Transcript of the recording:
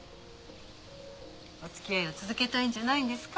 おつきあいを続けたいんじゃないんですか？